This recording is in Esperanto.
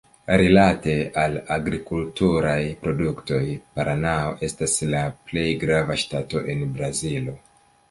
Rilate al agrikulturaj produktoj, Paranao estas la plej grava ŝtato de Brazilo.